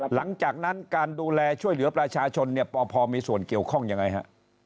หลังจากนั้นการดูแลช่วยเหลือประชาชนเนี่ยปพมีส่วนเกี่ยวข้องยังไงฮะ